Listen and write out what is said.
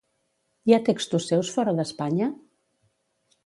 Hi ha textos seus fora d'Espanya?